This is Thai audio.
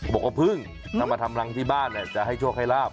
บอกว่าพึ่งถ้ามาทำรังที่บ้านจะให้โชคให้ลาบ